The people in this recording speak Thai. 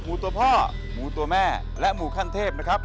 ตัวพ่อหมูตัวแม่และหมูขั้นเทพนะครับ